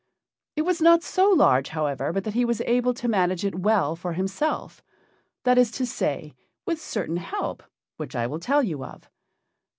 It was not so large, however, but that he was able to manage it well for himself that is to say, with certain help which I will tell you of.